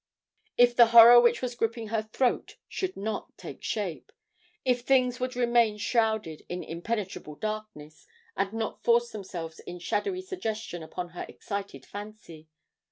If the horror which was gripping her throat should not take shape! If things would remain shrouded in impenetrable darkness, and not force themselves in shadowy suggestion upon her excited fancy!